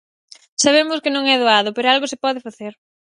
Sabemos que non é doado pero algo se pode facer.